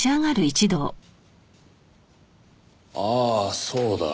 ああそうだ。